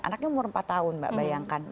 anaknya umur empat tahun mbak bayangkan